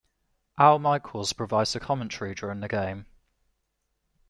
Al Michaels provides the commentary during the game.